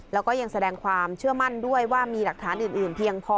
แล้วก็ยังแสดงความเชื่อมั่นด้วยว่ามีหลักฐานอื่นเพียงพอ